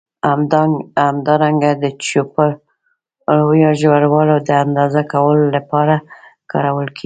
همدارنګه د چوړپو یا ژوروالي د اندازه کولو له پاره کارول کېږي.